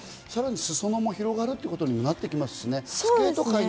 裾野も広がるということにもなってきますからね。